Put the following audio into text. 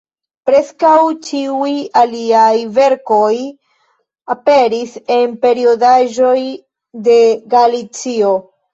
Preskaŭ ĉiuj liaj verkoj aperis en periodaĵoj de Galicio.